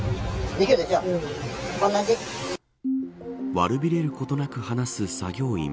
悪びれることなく話す作業員。